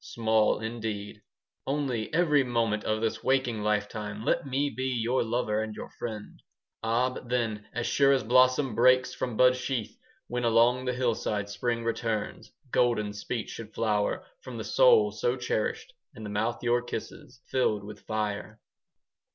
Small, indeed. Only, every moment 5 Of this waking lifetime Let me be your lover And your friend! Ah, but then, as sure as Blossom breaks from bud sheath, 10 When along the hillside Spring returns, Golden speech should flower From the soul so cherished, And the mouth your kisses 15 Filled with fire.